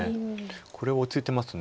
これは落ち着いてます。